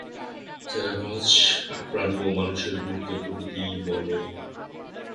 চারাগাছ, প্রাণী ও মানুষের গুণকে প্রকৃতি বলে।